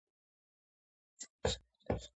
მდებარეობს ქალაქის ცენტრალურ ისტორიულ ნაწილში.